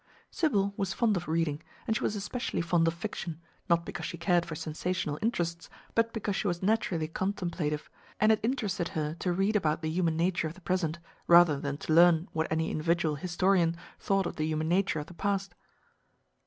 Sybil was fond of reading, and she was especially fond of fiction, not because she cared for sensational interests, but because she was naturally contemplative, and it interested her to read about the human nature of the present, rather than to learn what any individual historian thought of the human nature of the past.